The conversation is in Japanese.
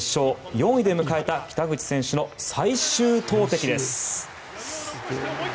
４位で迎えた北口選手の最終投てきです。